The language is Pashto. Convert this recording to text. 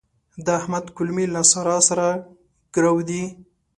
د احمد کولمې له سارا سره ګرو دي.